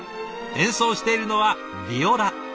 演奏しているのはヴィオラ。